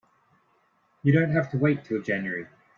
You don't have to wait till January.